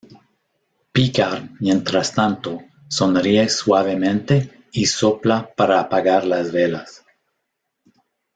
Picard, mientras tanto, sonríe suavemente y sopla para apagar las velas.